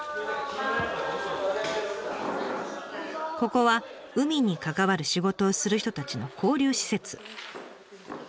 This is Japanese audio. ここは海に関わる仕事をする人たちの交流施設。